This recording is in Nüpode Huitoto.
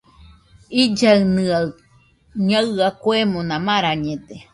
Illaɨnɨaɨ ñaɨa kuemona marañede.